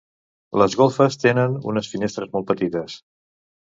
Les golfes tenen unes finestres molt petites.